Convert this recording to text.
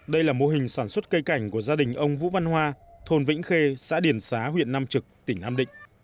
đây là mô hình sản xuất cây cảnh của gia đình ông vũ văn hoa thôn vĩnh khê xã điển xá huyện nam trực tỉnh nam định